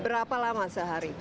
berapa lama sehari